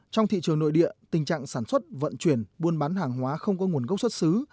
trong thị trường nội địa tình trạng sản xuất vận chuyển buôn bán hàng hóa không có nguồn gốc xuất xứ